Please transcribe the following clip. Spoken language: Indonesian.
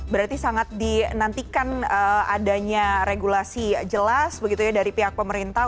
berarti sangat dinantikan adanya regulasi jelas begitu ya dari pihak pemerintah